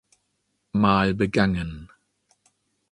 Mal begangen.